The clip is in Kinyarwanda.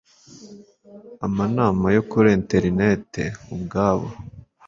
amanama yo kuri interineti ubwabo